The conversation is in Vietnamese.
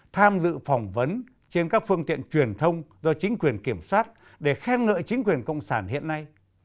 tham dự phỏng vấn trên các phương tiện truyền thông do chính quyền kiểm soát để khen ngợi chính quyền cộng sản hiện nay